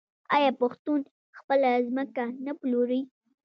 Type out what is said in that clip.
آیا پښتون خپله ځمکه نه پلوري؟